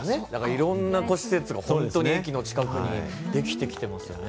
いろんな施設が本当に駅の近くにできてきてますよね。